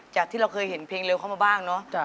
จากที่เราเคยเห็นเพลงเร็วเข้ามาบ้างเนอะ